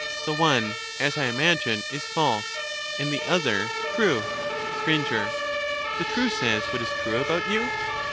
The one, as I imagine, is false, and the other true. A true sen Str. The true says what is true about you